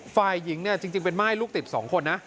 ฝ่ายหญิงเนี่ยจริงเป็นม่ายลูกติด๒คนนะ